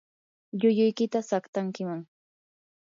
llulluykita saqtankiman.